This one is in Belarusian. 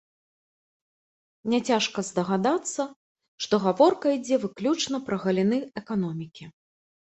Няцяжка здагадацца, што гаворка ідзе выключна пра галіны эканомікі.